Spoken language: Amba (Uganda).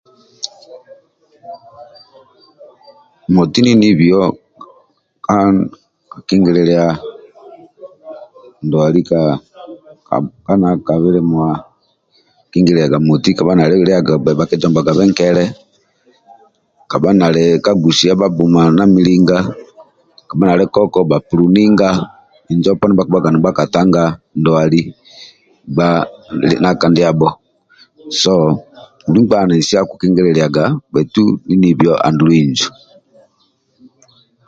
Moti ndie nibio ka kingililia ndwali ka ka ka bilimwa bhakingililia moti kabha nali gbebhe bhakijombagabe nkele kabha nali gusi bhabbuma na milinga kabha nali koko bha puluninga injo poni bhaki haga nibhakatanga ndwali gbha nanka ndiabho so buli nkpa ali nesi akikingililiaga bhaitu ndie nibio andulu injo